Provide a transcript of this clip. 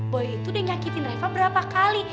boy itu udah nyakitin reva berapa kali